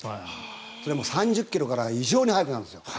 それも３０ｋｍから異常に速くなるんです。